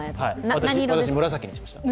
私、紫にしました。